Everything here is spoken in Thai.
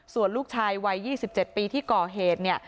ส่วนลูกชายวัย๒๗ปีที่ก่อเหตุเนี่ย